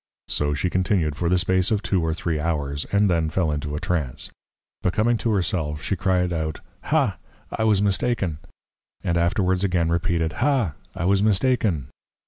_ So she continued for the space of two or three Hours; and then fell into a Trance. But coming to her self, she cry'd out, Ha! I was mistaken; and afterwards again repeated, _Ha! I was mistaken!